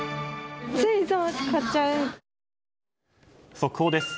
速報です。